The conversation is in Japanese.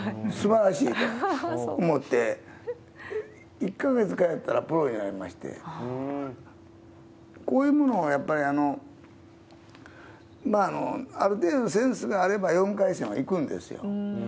すばらしいと思って、１か月通ったらプロになりまして、こういうものをやっぱりある程度センスがあれば４回戦は行くんですよ。